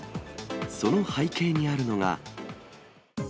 その背景にあるのが。